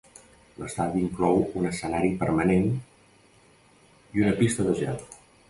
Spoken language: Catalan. L'estadi inclou un escenari permanent i una pista de gel.